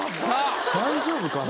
大丈夫かな。